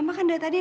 mama kan dari tadi